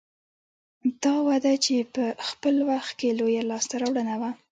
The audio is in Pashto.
دا وده چې په خپل وخت کې لویه لاسته راوړنه وه